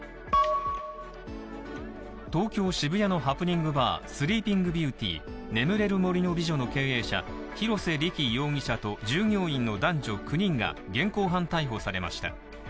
東京・渋谷のハプニングバーＳｌｅｅｐｉｎｇＢｅａｕｔｙ眠れる森の美女の経営者、広瀬理基容疑者と従業員の男女９人が現行犯逮捕されました。